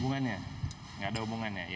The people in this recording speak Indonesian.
gak ada hubungannya